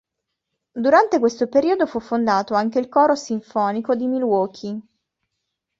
Durante questo periodo fu fondato anche il Coro Sinfonico di Milwaukee.